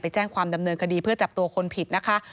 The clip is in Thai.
แจ้งความดำเนินคดีเพื่อจับตัวคนผิดนะคะ